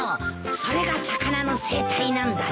それが魚の生態なんだね。